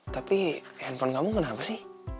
tapi handphone kamu kenapa sih